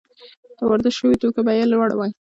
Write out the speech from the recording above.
د وارد شویو توکو بیه یې لوړه وي